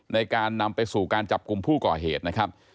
ในการนำไปสู่การจับกลุ่มผู้ก่อเหตุนะครับ